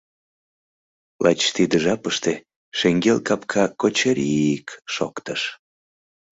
Лач тиде жапыште шеҥгел капка кочыри-и-к шоктыш.